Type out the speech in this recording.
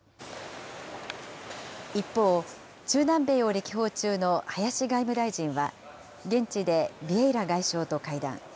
一方、中南米を歴訪中の林外務大臣は、現地でビエイラ外相と会談。